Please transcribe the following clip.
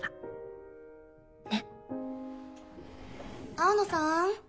青野さん。